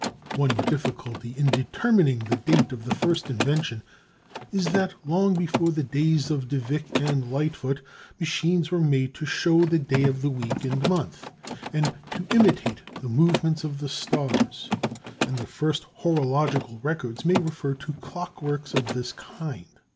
One difficulty in determining the date of the first invention is that long before the days of de Vick and Lightfoot, machines were made to show the day of the week and month and to imitate the movements of the stars; and the first horological records may refer to clock works of this kind.